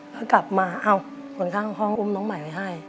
ก็กลับมาเอ้าคนข้างห้องอุ้มน้องใหม่ไปให้